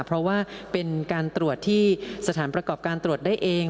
เพราะว่าเป็นการตรวจที่สถานประกอบการตรวจได้เอง